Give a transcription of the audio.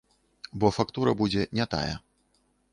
Бо фактура будзе не тая.